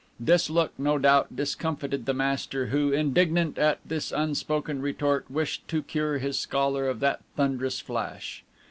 This look, no doubt, discomfited the master, who, indignant at this unspoken retort, wished to cure his scholar of that thunderous flash.